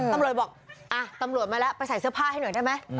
ตำรวจบอกตำรวจมาแล้วไปใส่เสื้อผ้าให้หน่อยได้ไหม